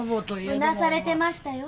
うなされてましたよ。